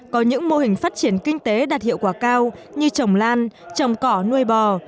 có những mô hình phát triển kinh tế đạt hiệu quả cao như trồng lan trồng cỏ nuôi bò